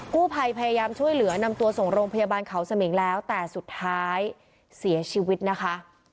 กู้ภัยพยายามช่วยเหลือนำตัวส่งโรงพยาบาลเขาสมิงแล้วแต่สุดท้ายเสียชีวิตนะคะ